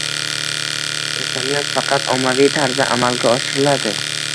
Qasamyod faqat ommaviy tarzda amalga oshiriladi